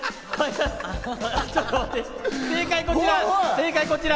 正解はこちら！